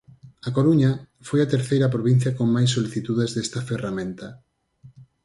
A Coruña, foi a terceira provincia con máis solicitudes desta ferramenta.